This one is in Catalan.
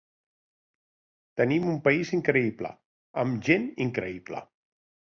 Tenim un país increïble, amb gent increïble.